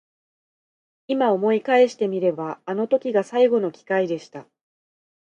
今思い返してみればあの時が最後の機会でした。